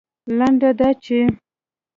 لنډه دا چې